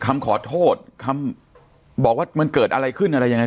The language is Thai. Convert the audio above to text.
คำขอโทษคำบอกว่ามันเกิดอะไรขึ้นอะไรยังไง